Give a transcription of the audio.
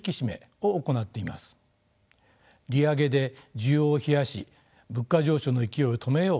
利上げで需要を冷やし物価上昇の勢いを止めよう